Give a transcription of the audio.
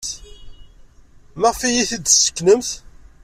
Maɣef ay iyi-t-id-tesseknemt?